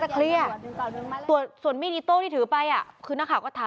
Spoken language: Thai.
ผิดครั้งแรกคือครู